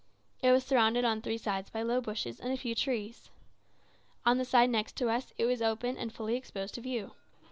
It was surrounded on three sides by low bushes and a few trees. On the side next to us it was open and fully exposed to view.